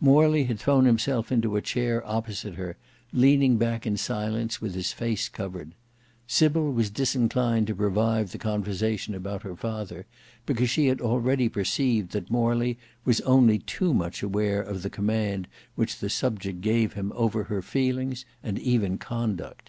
Morley had thrown himself into a chair opposite her, leaning back in silence with his face covered; Sybil was disinclined to revive the conversation about her father, because she had already perceived that Morley was only too much aware of the command which the subject gave him over her feelings and even conduct.